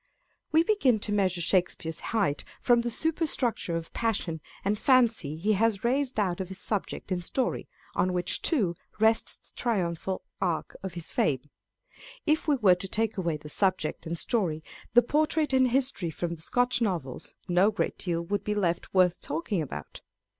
We begin to measure Shakespeare's height from the superstructure of passion and fancy he has raised out of his subject and story, on which too rests the triumphal arch of his fame : if we were to take away the subject and story, the portrait and history from the Scotch Novels, no great deal would be left worth talking about.